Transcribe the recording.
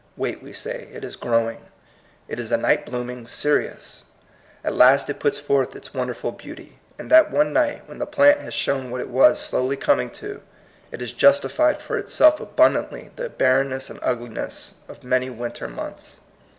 Wait, we say, it is growing; it is a night blooming cereus; at last it puts forth its wonder ful beauty. And that one night, when the plant has shown what it was slowly coming to, it has justified for itself abun dantly the barrenness and ugliness of many winter months.